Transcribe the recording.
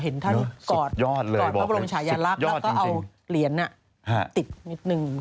เห็นท่านกอดพระบรมชายลักษณ์แล้วก็เอาเหรียญติดนิดนึง